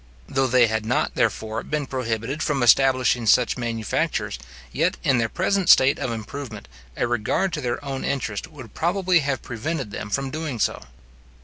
Though they had not, therefore, been prohibited from establishing such manufactures, yet, in their present state of improvement, a regard to their own interest would probably have prevented them from doing so.